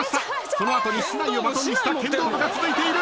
その後に竹刀をバトンにした剣道部が続いている！